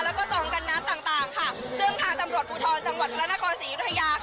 แล้วก็ตรงกับน้ำต่างค่ะซึ่งทางจำรวจภูถรจลักษณะคอนสิรุธยา